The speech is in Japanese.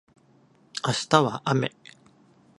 明日は雨